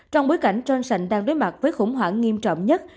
trong bối cảnh johnsh đang đối mặt với khủng hoảng nghiêm trọng nhất